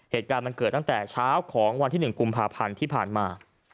เหตุการณ์มันเกิดตั้งแต่เช้าของวันที่๑กุมภาพันธ์ที่ผ่านมา